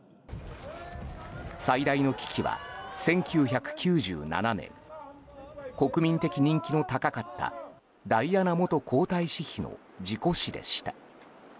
最大の危機は１９９７年国民的人気の高かったダイアナ元皇太子妃の事故死でした。